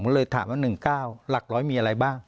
ผมก็เลยถามว่าหนึ่งเก้าหลักร้อยมีอะไรบ้าง